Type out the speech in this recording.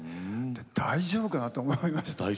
大丈夫かなと思いました。